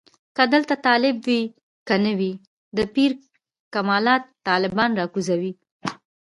که دلته طالب وي که نه وي د پیر کمالات طالبان راکوزوي.